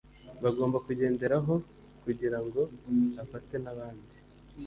bagomba kugenderaho ku girango afate nabindi